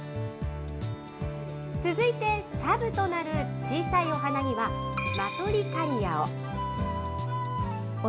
続いて、サブとなる小さいお花には、マトリカリアを。